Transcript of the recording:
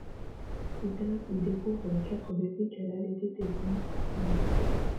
Plus tard, il découvre les quatre bébés qu'elle allaitait, désormais orphelins.